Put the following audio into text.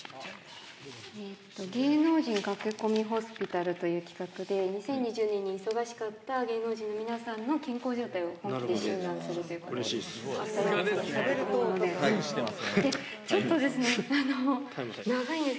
芸能人駆け込みホスピタルという企画で、２０２２年に忙しかった芸能人の皆さんの健康状態を本気で診断すうれしいです。